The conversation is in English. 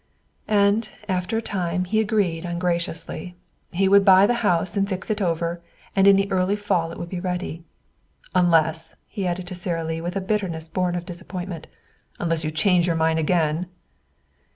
And after a time he agreed ungraciously. He would buy the house and fix it over, and in the early fall it would be ready. "Unless," he added to Sara Lee with a bitterness born of disappointment "unless you change your mind again."